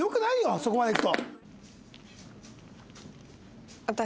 そこまでいくと。